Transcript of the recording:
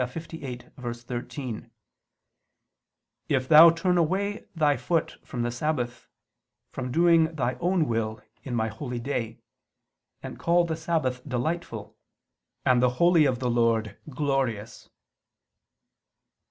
58:13): "If thou turn away thy foot from the Sabbath, from doing thy own will in My holy day, and call the Sabbath delightful, and the holy of the Lord glorious."